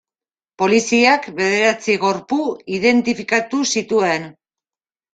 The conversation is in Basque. Poliziak bederatzi gorpu identifikatu zituen.